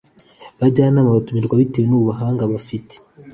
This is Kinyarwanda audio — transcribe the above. bajyanama batumirwa bitewe n'ubuhanga bafite